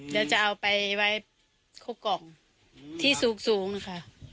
เดินจะเอาไปไว้โคขกลกที่สูงนะค่ะ